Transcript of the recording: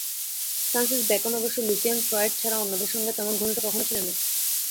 Francis Bacon অবশ্য Lucian Freud ছাড়া অন্যদের সঙ্গে তেমন ঘনিষ্ঠ কখনো ছিলেন না।